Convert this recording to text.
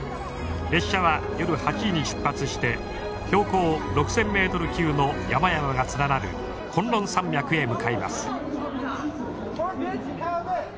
列車は夜８時に出発して標高６，０００ｍ級の山々が連なる崑崙山脈へ向かいます。